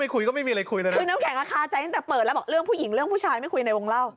คือน้ำแข็งอาคารใจตั้งแต่เปิดแล้วบอกเรื่องผู้หญิงเรื่องผู้ชายไม่คุยในวงเล่า